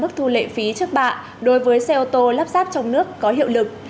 mức thu lệ phí trước bạ đối với xe ô tô lắp ráp trong nước có hiệu lực